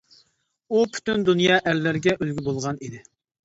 ئۇ پۈتۈن دۇنيا ئەرلىرىگە ئۈلگە بولغان ئىدى.